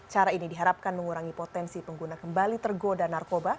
cara ini diharapkan mengurangi potensi pengguna kembali tergoda narkoba